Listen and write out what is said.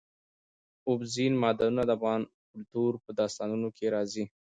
اوبزین معدنونه د افغان کلتور په داستانونو کې راځي.